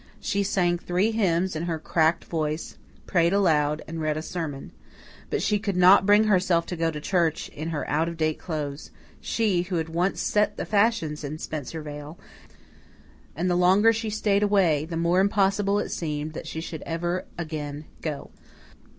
She sang three hymns in her cracked voice, prayed aloud, and read a sermon. But she could not bring herself to go to church in her out of date clothes she, who had once set the fashions in Spencervale, and the longer she stayed away, the more impossible it seemed that she should ever again go.